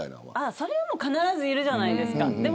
それは必ずいるじゃないですか。